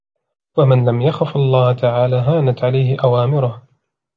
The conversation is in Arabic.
وَمَنْ لَمْ يَخَفْ اللَّهَ تَعَالَى هَانَتْ عَلَيْهِ أَوَامِرُهُ